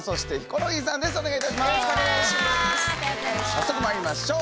早速まいりましょう。